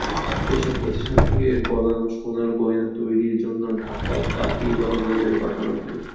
এসব প্রতিষ্ঠান থেকে গলানো সোনার গয়না তৈরির জন্য ঢাকার তাঁতীবাজারে পাঠানো হয়।